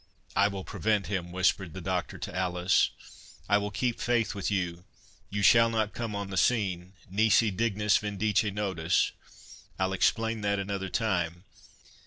"I will prevent him," whispered the Doctor to Alice. "I will keep faith with you—you shall not come on the scene—nisi dignus vindice nodus— I'll explain that another time.